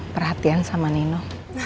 perhatian sama nino